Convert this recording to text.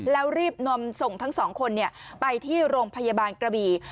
แล้วรีบนำส่งทั้งสองคนไปที่โรงพยาบาลกระบี่